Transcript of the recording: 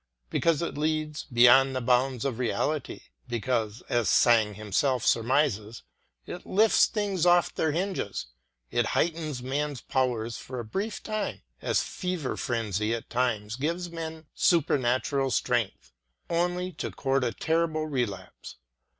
'^ Because it leads beyond the bounds" of reality^ because, as Sang himself surmises, *'it lifts things off their hinges," it heightens man's powers for a brief time ŌĆö as fever frenzy at times gives men supernatural strength ŌĆö only to court a terrible re lapse.